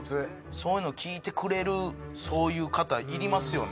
そういうのを聞いてくれるそういう方いりますよね。